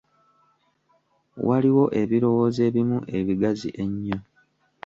Waliwo ebirowoozo ebimu ebigazi ennyo.